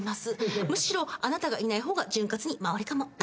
むしろあなたがいない方が潤滑に回るかも。